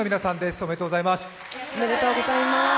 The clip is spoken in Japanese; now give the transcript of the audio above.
おめでとうございます。